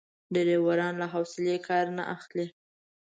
ډریوران له حوصلې کار نه اخلي.